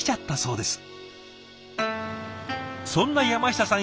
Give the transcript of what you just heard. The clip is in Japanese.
そんな山下さん